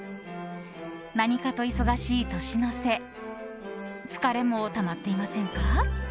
何かと忙しい年の瀬疲れもたまっていませんか？